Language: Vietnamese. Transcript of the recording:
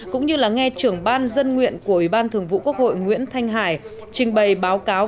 cũng như là nghe trưởng ban dân nguyện của ủy ban thường vụ quốc hội nguyễn thanh hải trình bày báo cáo